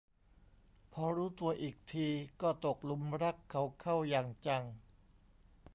พอรู้ตัวอีกทีก็ตกหลุมรักเขาเข้าอย่างจัง